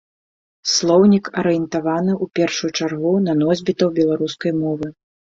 Слоўнік арыентаваны ў першую чаргу на носьбітаў беларускай мовы.